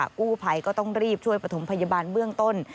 กู้ภัยก็ต้องรีบช่วยประถมพยาบาลเบื้องต้น